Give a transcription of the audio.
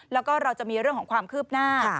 แล้วก็เราจะมีเรื่องของความคืบหน้า